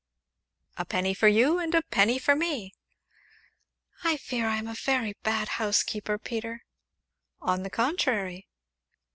"A penny for you, and a penny for me." "I fear I am a very bad housekeeper, Peter." "On the contrary."